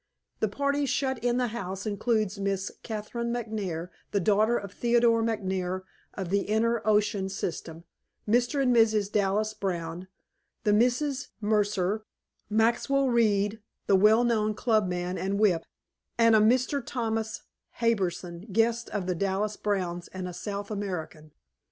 The party shut in the house includes Miss Katherine McNair, the daughter of Theodore McNair, of the Inter Ocean system; Mr. and Mrs. Dallas Brown; the Misses Mercer; Maxwell Reed, the well known clubman and whip; and a Mr. Thomas Harbison, guest of the Dallas Browns and a South American.